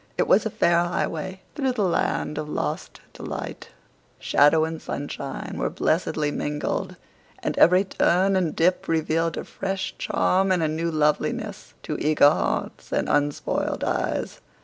It was a fair highway, through the Land of Lost Delight; shadow and sunshine were blessedly mingled, and every turn and dip revealed a fresh charm and a new loveliness to eager hearts and unspoiled eyes.